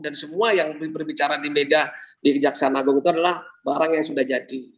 dan semua yang berbicara di media di kejaksanaagung itu adalah barang yang sudah jadi